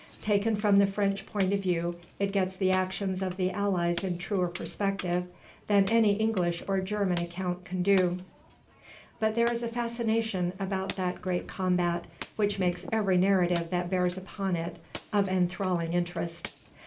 Taken from the French point of view, it gets the actions of the allies in truer perspective than any English or German account can do; but there is a fascination about that great combat which makes every narrative that bears upon it of enthralling interest.